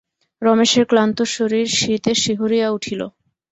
রমেশের ক্লান্ত শরীর শীতে শিহরিয়া উঠিল।